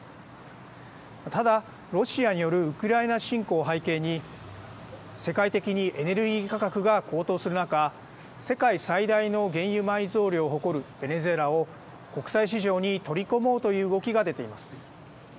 ただ、ロシアによるウクライナ侵攻を背景に世界的にエネルギー価格が高騰する中世界最大の原油埋蔵量を誇るベネズエラを国際市場に取り込もうという動きが出ています。